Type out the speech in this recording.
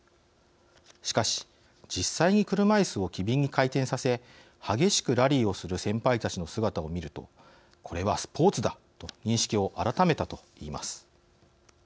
しかし、実際に車いすを機敏に回転させ激しくラリーをする先輩たちの姿を見るとこれはスポーツだと認識を改めたと言います。